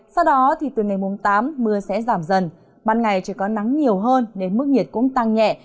sau đó thì từ ngày mùng tám mưa sẽ giảm dần ban ngày trời có nắng nhiều hơn nên mức nhiệt cũng tăng nhẹ